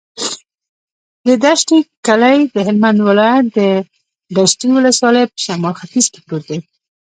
د دشټي کلی د هلمند ولایت، دشټي ولسوالي په شمال ختیځ کې پروت دی.